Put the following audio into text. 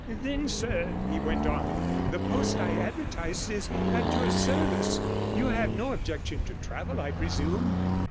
'Then sir,' he went on, 'the post I advertised is at your service. You have no objection to travel, I presume?'